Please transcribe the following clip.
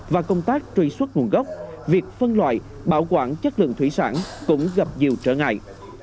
và công tác truy xuất nguồn gốc việc phân loại bảo quản chất lượng thủy sản cũng gặp nhiều trở ngại